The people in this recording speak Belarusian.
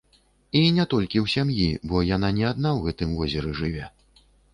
І не толькі ў сям'і, бо яна не адна ў гэтым возеры жыве.